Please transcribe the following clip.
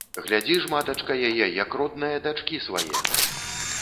Глядзі ж, матачка, яе, як роднае дачкі свае!